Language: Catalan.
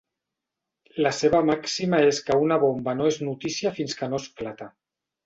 La seva màxima és que una bomba no és notícia fins que no esclata.